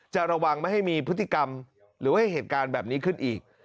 จะระวังไม่ให้มีพฤติกรรมหรือว่าให้เหตุการณ์แบบนี้ขึ้นอีก